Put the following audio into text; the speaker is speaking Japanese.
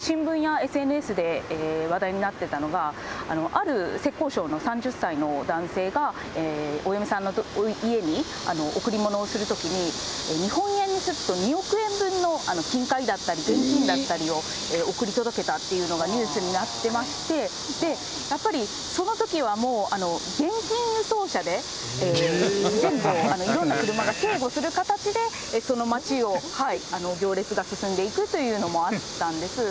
贈り物を贈るという風習があるという話なんですけど、先日、新聞やＳＮＳで話題になっていたのが、ある浙江省の３０歳の男性が、お嫁さんの家に贈り物をするときに、日本円にすると、２億円分の金塊だったり現金だったりを送り届けたっていうのがニュースになってまして、やっぱりそのときはもう現金輸送車で、前後をいろんな車が警護する形で、その町を行列が進んでいくというのもあったんです。